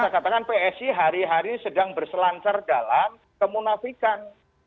saya katakan psi hari hari sedang berselancar dalam kemunafikan